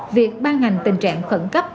việc ban hành tình trạng khẩn cấp